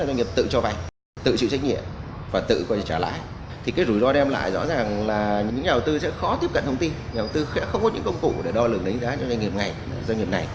nhà ủng tư không có những công cụ để đo lượng đánh giá cho doanh nghiệp này